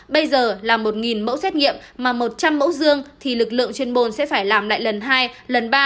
bây giờ là một mẫu xét nghiệm mà một trăm linh mẫu dương thì lực lượng chuyên môn sẽ phải làm lại lần hai lần ba